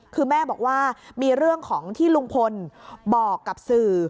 คือแม่บอกว่ามีเรื่องของที่ลุงพลบอกกับสื่อ